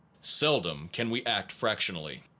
Seldom can we act fractionally.